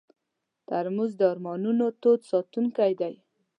ترموز د ارمانونو تود ساتونکی دی.